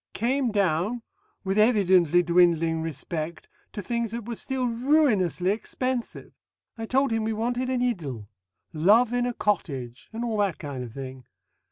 Came down, with evidently dwindling respect, to things that were still ruinously expensive. I told him we wanted an idyll love in a cottage, and all that kind of thing.